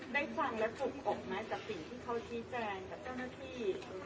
ได้ฟังแล้วจุกอกไหมกับสิ่งที่เขาชี้แจงกับเจ้าหน้าที่